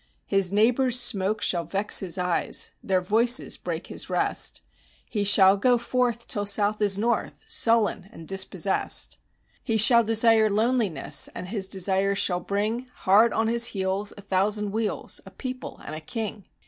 His neighbors' smoke shall vex his eyes, their voices break his rest; He shall go forth till south is north, sullen and dispossessed; He shall desire loneliness and his desire shall bring Hard on his heels, a thousand wheels, a people and a king.